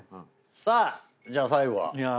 さあじゃあ最後は。